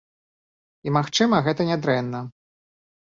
І, магчыма, гэта нядрэнна.